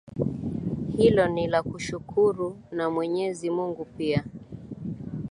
hilo ni la kushukuru na mwenyezi mungu pia